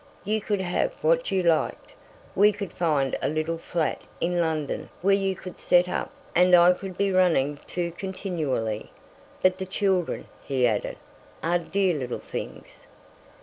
You could have what you liked. We could find a little flat in London where you could set up, and I could be running to continually. But the children," he added, "are dear little things!"